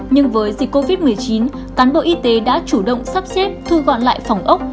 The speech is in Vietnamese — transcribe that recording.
nhưng với dịch covid một mươi chín cán bộ y tế đã chủ động sắp xếp thu gọn lại phòng ốc